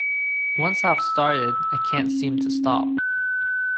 Once I've started, I can't seem to stop.